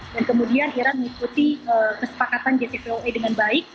dan kemudian iran mengikuti kesepakatan jtpoe dengan baik